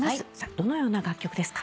どのような楽曲ですか？